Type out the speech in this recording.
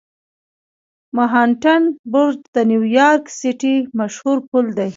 منهاټن برج د نیویارک سیټي مشهور پل دی.